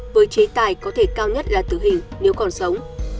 với chế tài có thể cao nhất là tử hình nếu còn sống